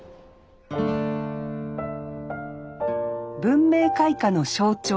文明開化の象徴